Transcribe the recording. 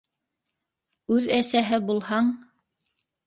Үҙ әсәһе булһаң...